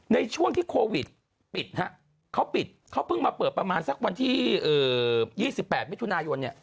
ในช่วงที่โควิดปิดฮะเขาปิดเขาเพิ่งมาเปิดประมาณสักวันที่๒๘มิถุนายนเนี่ย